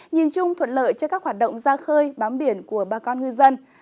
nhìn chung thuận lợi cho các hoạt động ra khơi bám biển của bà con ngư dân